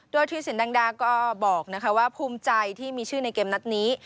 ด้วยทีมสินแดงดาก็บอกนะคะว่าภูมิใจที่มีชื่อในเกมนัดนี้